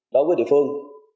đối với địa phương